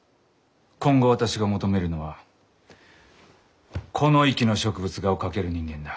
今後私が求めるのはこの域の植物画を描ける人間だ。